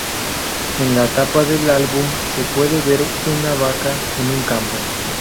En la tapa del álbum se puede ver a una vaca en un campo.